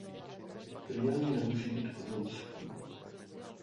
Prý ani nemusí být pozemský.